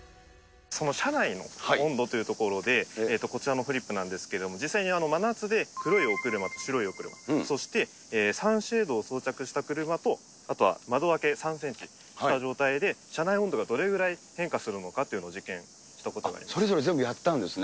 車内の温度というところで、こちらのフリップなんですけれども、実際に真夏で黒いお車、白いお車、そしてサンシェードを装着した車と、あとは窓開け３センチした状態で、車内温度がどれぐらい変化するのかというのを実験したことがあります。